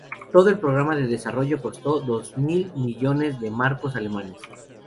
Todo el programa de desarrollo costó dos mil millones de marcos alemanes.